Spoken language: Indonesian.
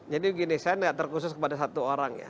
jadi begini saya tidak terkhusus kepada satu orang ya